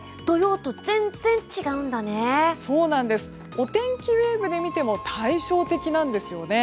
お天気ウェーブで見ても対照的なんですよね。